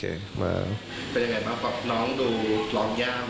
เป็นยังไงบ้างครับน้องดูร้องยาม